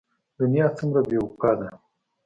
دنيا څومره بې وفا ده.